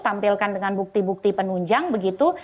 tampilkan dengan bukti bukti penunjang begitu